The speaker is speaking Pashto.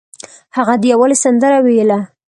هغه د یووالي سندره ویله.